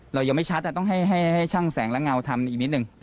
เรายังไม่ชัดต้องให้ช่างแสงและเงาทำอีกนิดนึง